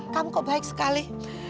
kamu kok baik sekali